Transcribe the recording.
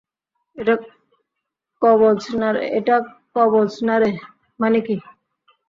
এটা কবজ না রে।